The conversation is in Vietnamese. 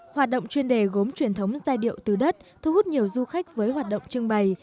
hoạt động chuyên đề gốm truyền thống giai điệu từ đất thu hút nhiều du khách với hoạt động trưng bày